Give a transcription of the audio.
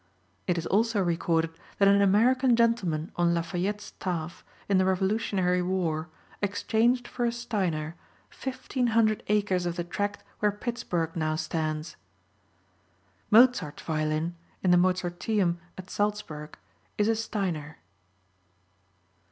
It is also recorded that an American gentleman on La Fayette's staff, in the Revolutionary War, exchanged for a Steiner 1,500 acres of the tract where Pittsburg now stands. Mozart's violin, in the Mozarteum at Salzburg, is a Steiner.